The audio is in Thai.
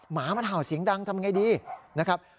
หมามันเห่าเสียงดังทำไงดีนะครับ